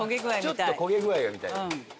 ちょっと焦げ具合が見たい。